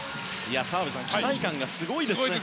澤部さん、期待感がすごいですね。